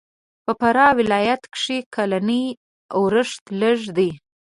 په فراه ولایت کښې کلنی اورښت لږ دی.